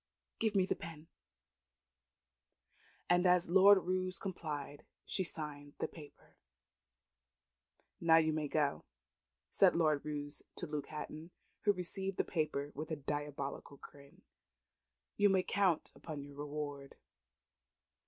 Give me the pen." And as Lord Roos complied, she signed the paper. "Nov you may go," said Lord Roos to Luke Hatton, who received the paper with a diabolical grin. "You may count upon your reward."